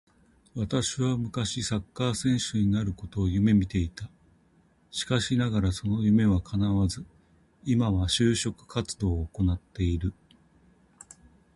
私は昔サッカー選手になることを夢見ていた。しかしながらその夢は叶わず、今は就職活動を行ってる。